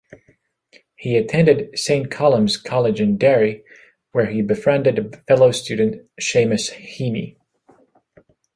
He attended Saint Columb's College in Derry, where he befriended fellow-student Seamus Heaney.